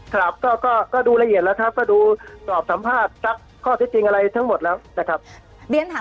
ครับก็ดูละเอียดแล้วครับก็ดูตอบสัมภาษณ์ก็ความคิดนะครับ